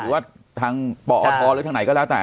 หรือว่าทางปอทหรือทางไหนก็แล้วแต่